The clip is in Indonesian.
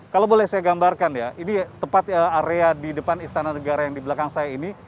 kalau boleh saya gambarkan ya ini tepat area di depan istana negara yang di belakang saya ini